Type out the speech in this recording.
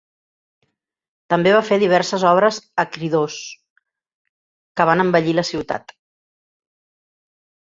També va fer diverses obres a Cnidos que van embellir la ciutat.